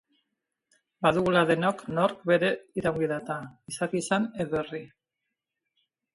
Badugula denok nork bere iraungi-data, gizaki izan edo herri.